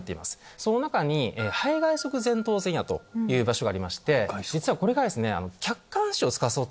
その中に背外側前頭前野という場所がありまして実はこれがですね。